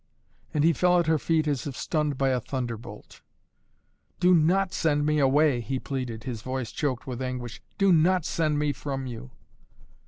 And he fell at her feet as if stunned by a thunderbolt. "Do not send me away " he pleaded, his voice choked with anguish. "Do not send me from you."